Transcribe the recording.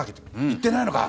行ってないのか？